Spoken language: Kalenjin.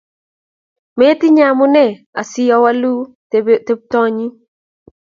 Metinye amune asii walu tebutyoni